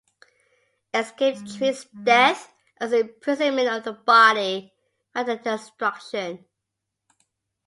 Escape treats death as the imprisonment of the body rather than its destruction.